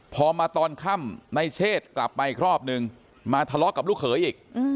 พอมาตอนค่ำในเชศกลับมาอีกรอบนึงมาทะเลาะกับลูกเขยอีก